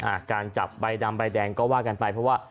การจับใบดำใบแดงก็ว่ากันไปเพราะว่า